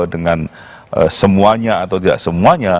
dengan semuanya atau tidak semuanya